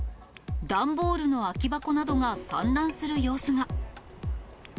段ボールの空き箱などが散乱する様子が。